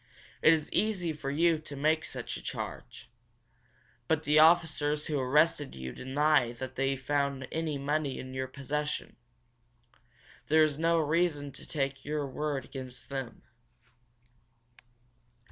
"It is easy for you to make such a charge. But the officers who arrested you deny that they found any money in your possession. There is no reason to take your word against them."